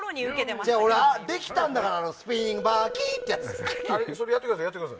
できたんだからスピニングバードキックってやつ。